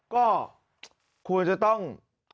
ก็ควรจะต้อง